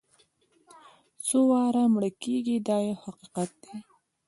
څو واره مړه کېږي دا یو حقیقت دی.